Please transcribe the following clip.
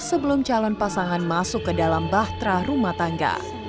sebelum calon pasangan masuk ke dalam bahtera rumah tangga